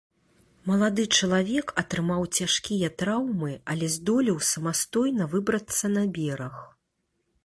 Малады чалавек атрымаў цяжкія траўмы, але здолеў самастойна выбрацца на бераг.